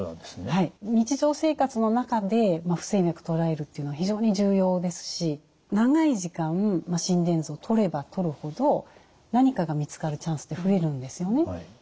はい日常生活の中で不整脈とらえるというのは非常に重要ですし長い時間心電図をとればとるほど何かが見つかるチャンスって増えるんですよね。